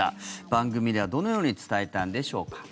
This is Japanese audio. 番組ではどのように伝えたんでしょうか。